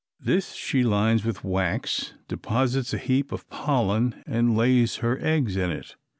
This she lines with wax, deposits a heap of pollen, and lays her eggs in it.